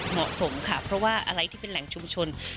เหมาะสมค่ะเพราะว่าอะไรที่เป็นแหล่งชุมชน